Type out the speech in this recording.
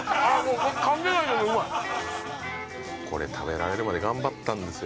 これ食べられるまで頑張ったんですよ